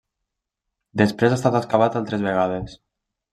Després ha estat excavat altres vegades.